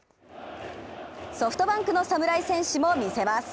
ソフトバンクも侍戦士も見せます。